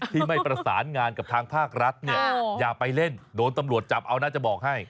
ที่ไม่ประสานงานกับทางภาครัฐเนี่ยอย่าไปเล่นโดนตำรวจจับเอาน่าจะบอกให้